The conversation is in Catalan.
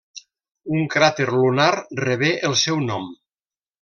Un cràter lunar rebé el seu nom.